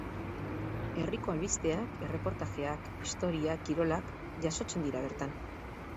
Herriko albisteak, erreportajeak, historia, kirolak... jasotzen dira bertan.